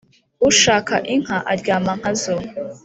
Ushaka inka aryama nka zo.